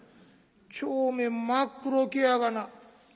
帳面真っ黒けやがな。